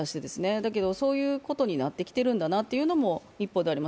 だけどそういうことになってきてるんだなというのも日本であります。